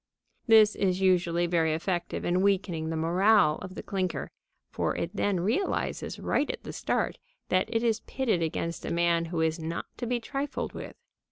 This is usually very effective in weakening the morale of the clinker, for it then realizes right at the start that it is pitted against a man who is not to be trifled with.